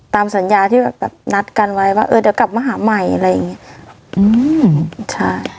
ตามสัญญาที่แบบนัดกันไว้ว่าเออเดี๋ยวกลับมาหาใหม่อะไรอย่างเงี้ยอืมใช่